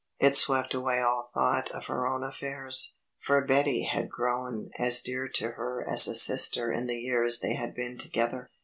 It swept away all thought of her own affairs, for Betty had grown as dear to her as a sister in the years they had been together.